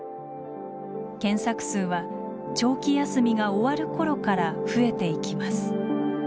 検索数は長期休みが終わる頃から増えていきます。